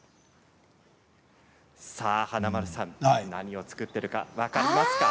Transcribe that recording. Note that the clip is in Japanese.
華丸さん、何を作っているか分かりますか？